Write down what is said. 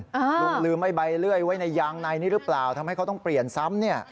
ลุงลืมไอ้ใบเลื่อยไว้ในยางในนี้หรือเปล่าทำให้เขาต้องเปลี่ยนซ้ำเนี่ย